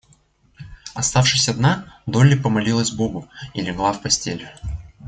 Оставшись одна, Долли помолилась Богу и легла в постель.